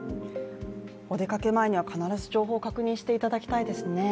お出かけ前には必ず情報を確認していただきたいですね。